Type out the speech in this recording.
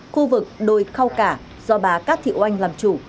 khu vực đồi khao cả do bà cát thị oanh làm chủ